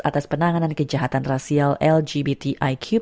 atas penanganan kejahatan rasial lgbtiq